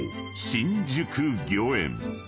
新宿御苑］